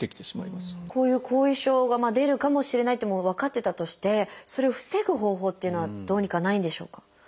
こういう後遺症が出るかもしれないってもう分かってたとしてそれを防ぐ方法っていうのはどうにかないんでしょうか？